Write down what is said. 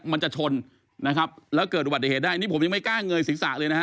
มันจะชนนะครับแล้วเกิดอุบัติเหตุได้นี่ผมยังไม่กล้าเงยศีรษะเลยนะฮะ